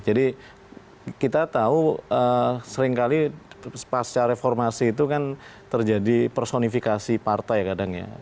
jadi kita tahu seringkali pasca reformasi itu kan terjadi personifikasi partai kadang ya